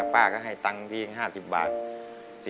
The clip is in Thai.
ป้าก็ให้ตังค์ที่๕๐บาท